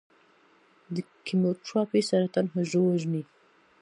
د کیموتراپي سرطان حجرو وژني.